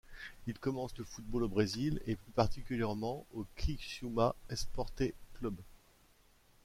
Il commence le football au Brésil et plus particulièrement au Criciúma Esporte Clube.